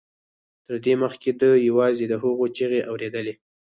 تر دې مخکې ده یوازې د هغوی چیغې اورېدلې